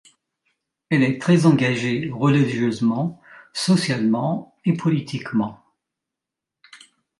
Elle est très engagée religieusement, socialement et politiquement.